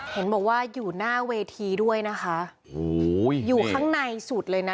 เห็นบอกว่าอยู่หน้าเวทีด้วยนะคะโอ้โหอยู่ข้างในสุดเลยนะ